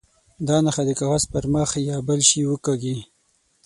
دا نښه د کاغذ پر مخ یا بل شي وکاږي.